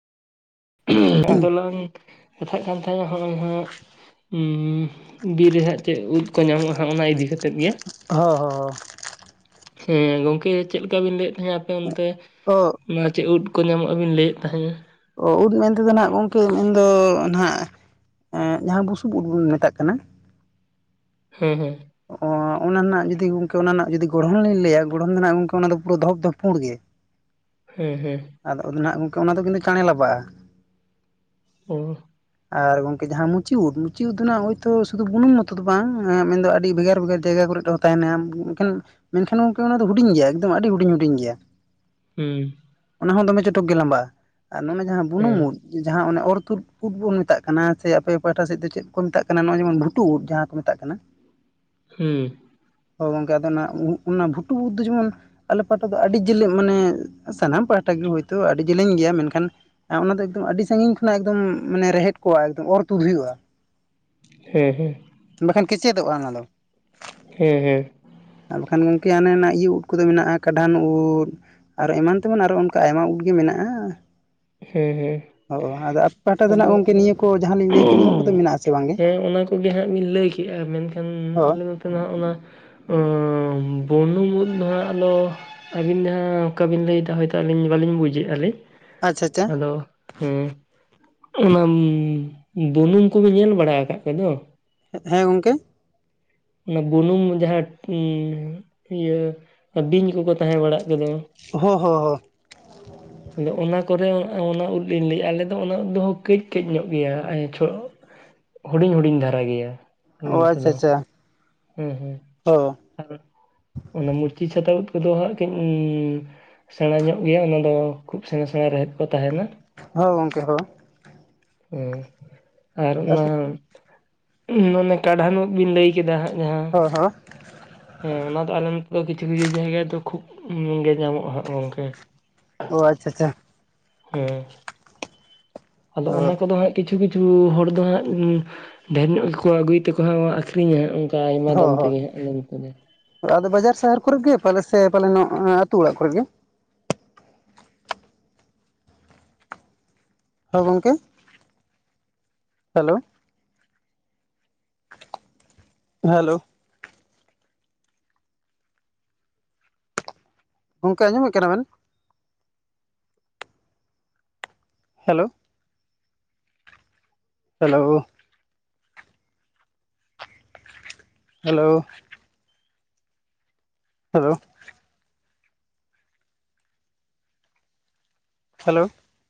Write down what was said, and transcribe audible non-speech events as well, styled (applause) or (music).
ᱟᱫᱚ ᱞᱟᱝ ᱠᱟᱛᱷᱟᱜ ᱠᱟᱱ ᱛᱟᱦᱮᱱᱟ ᱦᱚᱞᱟ ᱢᱟ ᱦᱟᱸᱜᱟᱜ᱾ ᱦᱩᱸ ᱦᱩᱸ ᱵᱤᱨ ᱨᱮᱦᱟᱜ ᱪᱮᱜ ᱩᱛ ᱠᱚ ᱧᱟᱢᱚᱜ-ᱟ ᱦᱟᱸᱜ ᱚᱱᱟ ᱤᱫᱤ ᱠᱟᱛᱮᱫ ᱜᱮ᱾ ᱦᱚᱸ ᱦᱚᱸ ᱦᱚᱸ᱾ ᱦᱮᱸ ᱜᱚᱝᱠᱮ ᱪᱮᱫ ᱞᱮᱠᱟ ᱵᱤᱱ ᱞᱟᱹᱭᱮᱜ ᱛᱟᱦᱮᱸᱱᱟ ᱟᱯᱮ ᱚᱱᱛᱮ ᱚ ᱚᱱᱟ ᱪᱮᱝ ᱩᱴ ᱠᱚ ᱧᱟᱢᱚᱜᱼᱟ ᱵᱤᱱ ᱞᱟᱹᱭᱮᱜ ᱛᱟᱦᱮᱸᱜ? ᱚ ᱩᱫ ᱢᱮᱱᱛᱮ ᱫᱚ ᱱᱟᱜ ᱜᱚᱝᱠᱮ ᱢᱮᱱᱫᱚ ᱱᱟᱦᱟᱜ ᱮ ᱡᱟᱦᱟᱸ ᱵᱩᱥᱩᱵ ᱩᱫ ᱵᱚᱱ ᱢᱮᱛᱟᱜ ᱠᱟᱱᱟ᱾ ᱦᱩᱸ ᱦᱩᱸ᱾ ᱚᱻ ᱚᱱᱟ ᱨᱮᱱᱟᱜ ᱡᱩᱫᱤ ᱜᱚᱝᱠᱮ ᱚᱱᱟ ᱨᱮᱱᱟᱜ ᱡᱩᱫᱤ ᱜᱚᱲᱦᱚᱱ ᱞᱤᱧ ᱞᱟᱹᱭᱟ ᱜᱚᱲᱦᱚᱱ ᱱᱟᱜ ᱜᱚᱝᱠᱮ ᱚᱱᱟ ᱫᱚ ᱯᱩᱨᱟᱹ ᱫᱷᱚᱯ ᱫᱷᱚᱯ ᱯᱩᱲ ᱜᱮ᱾ ᱦᱩᱸ ᱦᱩᱸ᱾ ᱟᱫᱚ ᱱᱟᱦᱟᱜ ᱜᱚᱝᱠᱮ ᱚᱱᱟ ᱫᱚ ᱠᱤᱱᱛᱩ ᱪᱟᱬᱮ ᱞᱟᱵᱟᱜ-ᱟ᱾ ᱦᱩᱸ᱾ ᱟᱨ ᱜᱚᱝᱠᱮ ᱡᱟᱦᱟᱸ ᱢᱩᱪᱤ ᱩᱫ ᱢᱩᱪᱤ ᱩᱫ ᱫᱚ ᱱᱟᱜ ᱦᱚᱭᱛᱚ ᱥᱩᱫᱩ ᱵᱩᱱᱩᱢ ᱢᱚᱛᱚ ᱫᱚ ᱵᱟᱝ ᱢᱮᱱᱫᱚ ᱟᱹᱰᱤ ᱵᱷᱮᱜᱟᱨ ᱵᱷᱮᱜᱟᱨ ᱡᱟᱭᱜᱟ ᱠᱚᱨᱮ ᱛᱟᱦᱮᱱᱟ ᱢᱮᱱᱠᱷᱟᱱ ᱢᱮᱱᱠᱷᱟᱱ ᱜᱚᱝᱠᱮ ᱚᱱᱟ ᱫᱚ ᱦᱩᱰᱤᱧ ᱜᱮᱭᱟ ᱮᱠᱫᱚᱢ ᱟᱹᱰᱤ ᱦᱩᱰᱤᱧ ᱦᱩᱰᱤᱧ ᱜᱮᱭᱟ᱾ ᱦᱩᱸ᱾ ᱚᱱᱟ ᱦᱚᱸ ᱫᱚᱢᱮ ᱪᱚᱴᱚᱠ ᱜᱮ ᱞᱟᱢᱵᱟᱜᱼᱟ ᱟᱨ ᱚᱱᱮ ᱡᱟᱦᱟᱸ ᱵᱩᱱᱩᱢ ᱦᱮᱸ ᱩᱫ ᱡᱟᱦᱟᱸ ᱚᱱᱮ ᱚᱨ ᱛᱩᱫ ᱩᱫ ᱵᱩᱱ ᱢᱮᱛᱟᱜ ᱠᱟᱱᱟ ᱥᱮ ᱟᱯᱮ ᱯᱟᱦᱴᱟ ᱥᱮᱫ ᱫᱚ ᱪᱮᱫ ᱠᱚ ᱢᱮᱛᱟᱜ ᱠᱟᱱᱟ ᱱᱚᱜᱚᱭ ᱡᱮᱢᱚᱱ ᱵᱷᱩᱴᱩ ᱩᱫ ᱡᱟᱦᱟᱸ ᱠᱚ ᱢᱮᱛᱟᱜ ᱠᱟᱱᱟ ᱦᱩᱸ᱾ ᱚ ᱜᱚᱝᱠᱮ ᱟᱫᱚ ᱚᱱᱟ ᱵᱷᱩᱴᱩᱵ ᱚᱱᱟ ᱵᱷᱩᱴᱩᱵ ᱩᱫ ᱫᱚ ᱡᱮᱢᱚᱱ ᱟᱞᱮ ᱯᱟᱦᱴᱟ ᱫᱚ ᱟᱹᱰᱤ ᱡᱮᱞᱮᱧ ᱢᱟᱱᱮ ᱥᱟᱱᱟᱢ ᱯᱟᱦᱴᱟ ᱜᱤ ᱦᱳᱭᱛᱚ ᱟᱹᱰᱤ ᱡᱮᱞᱮᱧ ᱜᱮᱭᱟ ᱢᱮᱱᱠᱷᱟᱱ ᱚᱱᱟ ᱫᱚ ᱮᱠᱫᱚᱢ ᱟᱹᱰᱤ ᱥᱟᱺᱜᱤᱧ ᱠᱷᱚᱱᱟᱜ ᱮᱠᱫᱚᱢ ᱢᱟᱱᱮ ᱨᱮᱦᱮᱫ ᱠᱚᱜᱟ ᱮᱠᱫᱚᱢ ᱚᱨ ᱛᱩ ᱦᱩᱭᱩᱜ-ᱟ᱾ ᱦᱮᱸ ᱦᱮᱸ᱾ ᱵᱟᱠᱷᱟᱱ ᱠᱮᱪᱮᱫᱚᱜ-ᱟ ᱚᱱᱟ ᱫᱚ᱾ ᱦᱮᱸ ᱦᱮᱸ᱾ ᱟᱨ ᱵᱟᱠᱷᱟᱱ ᱜᱚᱢᱠᱮ ᱦᱟᱱᱮ ᱦᱟᱱᱟ ᱤᱭᱟᱹ ᱩᱜ ᱠᱚᱫᱚ ᱢᱮᱱᱟᱜ-ᱟ ᱠᱟᱰᱷᱟᱱ ᱩᱫ᱾ ᱟᱨ ᱮᱢᱟᱱ ᱛᱮᱢᱟᱱ ᱟᱨᱚ ᱚᱱᱠᱟ ᱟᱭᱢᱟ ᱩᱫ ᱜᱮ ᱢᱮᱱᱟᱜᱼᱟ᱾ ᱦᱩᱸ ᱚ ᱟᱫᱚ ᱟᱯᱮ ᱯᱟᱦᱴᱟ ᱦᱩᱸ᱾ ᱫᱚ ᱱᱟᱜ ᱟᱫᱚ ᱜᱚᱝᱠᱮ ᱱᱤᱭᱟᱹ ᱠᱚ ᱡᱟᱦᱟᱸ ᱞᱤᱧ ᱞᱟᱹᱭ ᱠᱮᱫ ᱱᱤᱭᱟᱹ ᱠᱚᱫᱚ ᱢᱮᱱᱟᱜ ᱟᱥᱮ ᱵᱟᱝ ᱜᱮ ᱦᱮᱸ ᱚᱱᱟ ᱠᱚᱜᱮ ᱦᱟᱸᱜ ᱵᱤᱱ ᱞᱟᱹᱭ ᱠᱮ ᱠᱮᱜ-ᱟ ᱢᱮᱱᱠᱷᱟᱱ ᱦᱳᱭ ᱟᱞᱮ ᱱᱚᱛᱮ ᱢᱟ ᱚᱱᱟ ᱚ ᱵᱩᱱᱩᱢ ᱩᱫ ᱫᱚᱦᱟᱜ ᱫᱚ ᱟᱹᱵᱤᱱ ᱡᱟᱦᱟᱸ ᱚᱠᱟ ᱵᱤᱱ ᱞᱟᱹᱭ ᱫᱟ ᱦᱳᱭ ᱛᱚ ᱟᱹᱞᱤᱧ ᱵᱟᱞᱤᱧ ᱵᱩᱡᱟᱹᱜ ᱟᱞᱮ ᱟᱪᱪᱷᱟ ᱟᱪᱪᱷᱟ᱾ ᱟᱫᱚ ᱦᱩᱸ ᱚᱱᱟᱢ ᱵᱩᱱᱩᱢ ᱠᱚ ᱵᱮᱱ ᱧᱮᱞ ᱵᱟᱲᱟ ᱟᱠᱟᱜ ᱠᱜ ᱫᱚ᱾ ᱦᱮᱸ ᱜᱚᱝᱠᱮ᱾ ᱚᱱᱟ ᱵᱩᱱᱩᱢ ᱡᱟᱦᱟᱸ ᱴᱤ ᱤᱭᱟᱹ ᱵᱤᱧ ᱠᱚᱠᱚ ᱛᱟᱦᱮᱸ ᱵᱟᱲᱟᱜ ᱜᱮ ᱫᱚ᱾ ᱦᱚᱸ ᱦᱚᱸ ᱦᱚᱸ᱾ ᱟᱫᱚ ᱚᱱᱟ ᱠᱚᱨᱮ ᱚᱱᱟ ᱩᱫ ᱞᱤᱧ ᱞᱟᱹᱭᱮᱜ-ᱟ ᱟᱞᱮ ᱫᱚ ᱚᱱᱟ ᱩᱫ ᱫᱚ ᱠᱟᱹᱡ ᱠᱟᱹᱡ ᱧᱚᱜ ᱜᱮᱭᱟ ᱟᱭᱪᱷᱚ ᱦᱩᱰᱤᱧ ᱦᱩᱰᱤᱧ ᱫᱷᱟᱨᱟ ᱜᱮᱭᱟ᱾ ᱚ ᱟᱪᱪᱷᱟ ᱟᱪᱪᱷᱟ᱾ ᱦᱩᱸ ᱦᱩᱸ ᱦᱚᱸ ᱟᱨ ᱚᱱᱟ ᱢᱩᱪᱤ ᱪᱷᱟᱛᱟ ᱩᱫ ᱠᱚᱫᱚ (inaudible) ᱥᱮᱬᱟ ᱧᱚᱜ ᱜᱮᱭᱟ ᱚᱱᱟᱫᱚ ᱠᱷᱩᱵ ᱥᱮᱬᱟ ᱥᱮᱬᱟ ᱨᱮᱦᱮᱫ ᱠᱚ ᱛᱟᱦᱮᱱᱟ᱾ ᱦᱚ ᱜᱚᱝᱠᱮ ᱦᱚ᱾ ᱦᱩᱸ ᱟᱨ ᱚᱱᱟ ᱚᱱᱮ ᱠᱟᱰᱷᱟᱱᱚᱜ ᱵᱤᱱ ᱞᱟᱹᱭ ᱠᱮᱫᱟ ᱦᱟᱸᱜ ᱡᱟᱦᱟᱸ (unintelligible) ᱦᱮᱸ ᱚᱱᱟ ᱫᱚ ᱟᱞᱮ ᱱᱚᱛᱮ ᱫᱚ ᱠᱤᱪᱷᱩ ᱠᱤᱪᱷᱩ ᱡᱟᱭᱜᱟ ᱫᱚ ᱠᱷᱩᱵ ᱜᱮ ᱧᱟᱢᱚᱜᱼᱟ ᱦᱟᱸᱜ ᱜᱚᱝᱠᱮ᱾ ᱚ ᱟᱪᱪᱷᱟ ᱟᱪᱷᱟ᱾ ᱦᱮᱸ ᱟᱫᱚ ᱚᱱᱟ ᱦᱚᱸ ᱠᱚᱫᱚ ᱦᱟᱸᱜ ᱠᱤᱪᱷᱩ ᱠᱤᱪᱷᱩ ᱦᱚᱲ ᱫᱚ ᱦᱟᱸᱜ ᱩᱸ ᱰᱷᱮᱨ ᱧᱚᱜ ᱜᱮᱠᱚ ᱟᱹᱜᱩᱭ ᱛᱮᱠᱚ ᱟᱹᱠᱷᱨᱤᱧᱟ ᱦᱟᱸᱜ ᱩᱸ᱾ ᱠᱟ ᱟᱭᱢᱟ ᱦᱚᱸ ᱫᱟᱢ ᱛᱮᱜᱮ (inaudible) ᱟᱫᱚ ᱵᱟᱡᱟᱨ ᱥᱟᱦᱟᱨ ᱠᱚᱨᱮᱜ ᱜᱮ ᱯᱟᱞᱮ ᱥᱮ ᱯᱟᱞᱮ ᱱᱚᱜ ᱟᱹᱛᱩ ᱚᱲᱟᱜ ᱠᱚᱨᱮᱜ ᱜᱮ? ᱦᱚᱸ ᱜᱚᱝᱠᱮ, ᱦᱮᱞᱳ᱾ ᱦᱮᱞᱳ᱾ ᱜᱚᱝᱠᱮ ᱟᱸᱡᱚᱢᱮᱫ ᱠᱟᱱᱟ ᱵᱮᱱ? Hello. Hello. Hello. Hello. Hello.